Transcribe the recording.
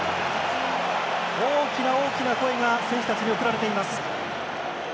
大きな大きな声が選手たちに送られています。